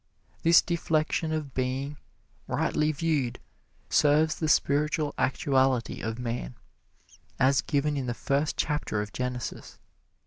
This deflection of being, rightly viewed, serves the spiritual actuality of man, as given in the first chapter of Genesis.